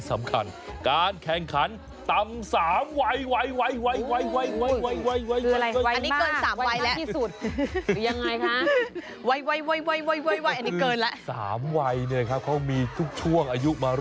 ถูกไหมน้องสีชมพูนี่นองคือวัยเด็ก